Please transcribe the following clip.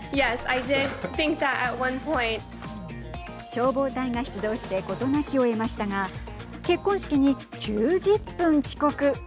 消防隊が出動して事なきを得ましたが結婚式に９０分遅刻。